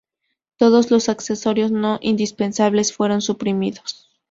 Todos los accesorios no indispensables fueron suprimidos.